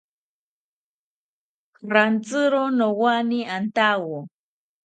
Rantziro nowani antawo